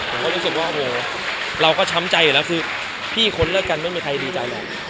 ผมก็รู้สึกว่าโอ้โหเราก็ช้ำใจอยู่แล้วคือพี่คนเลิกกันไม่มีใครดีใจหรอก